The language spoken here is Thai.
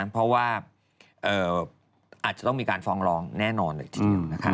เพราะว่าอาจจะต้องมีการฟองรองแน่นอนเลยทีเดียว